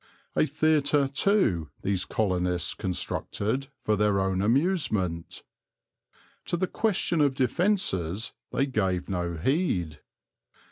A theatre, too, these colonists constructed, for their own amusement. To the question of defences they gave no heed.